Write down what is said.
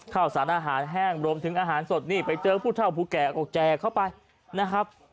ข้าวสารอาหารแห้งรวมถึงอาหารสดนี่ไปเจอผู้เท่าผู้แก่ก็แจกเข้าไปนะครับ